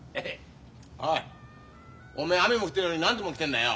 おいおめえ雨も降ってねえのに何てもん着てんだよ。